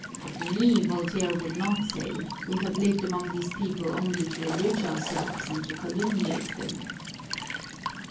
Of me Voltaire would not say, 'We have lived among these people only to enrich ourselves and to calumniate them.'"